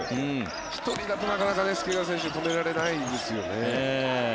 １人だと、なかなか介川選手は止められないんですよね。